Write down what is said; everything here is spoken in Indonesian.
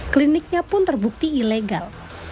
kliniknya pun terbukti ilegal